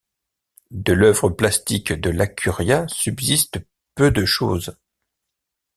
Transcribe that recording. De l’œuvre plastique de Lacuria subsiste peu de choses.